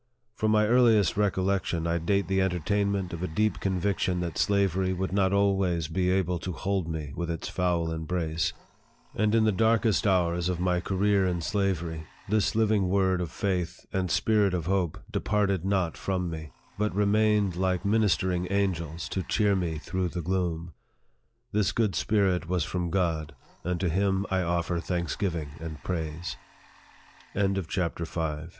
From my earliest recollection, I date the entertainment of a deep conviction that slavery would not always be able to hold me within its foul embrace ; and in the darkest hours of my career in slavery, this living word of faith and spirit of hope departed not from me, but remained like ministering angels to cheer me through the gloom. This good spirit was from God, and to him I offer thanksgi